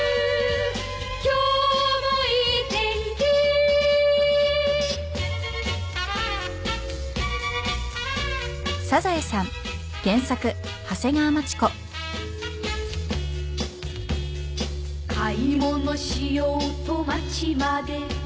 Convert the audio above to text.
「今日もいい天気」「買い物しようと街まで」